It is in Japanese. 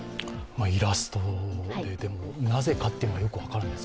イラストでもうなぜかっていうのがよく分からないです